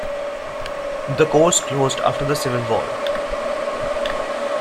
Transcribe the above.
The course closed after the Civil War.